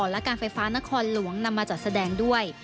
และการไฟฟ้านครหลวงนำมาจัดแสดงด้วย